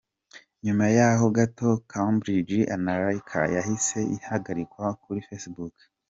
Nyuma y’aho gato Cambridge Analytica, yahise ihagarikwa kuri Facebook.